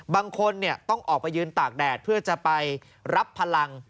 บางคนต้องออกไปยืนตากแดดเพื่อจะไปรับพลัง